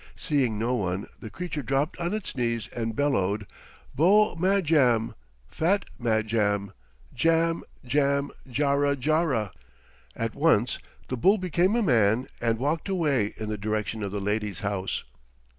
Seeing no one, the creature dropped on its knees and bellowed, "Beau Madjam, fat Madjam, djam, djam, djara, djara!" At once the bull became a man and walked away in the direction of the lady's house.